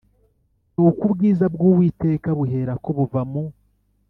Nuko ubwiza bw Uwiteka buherako buva mu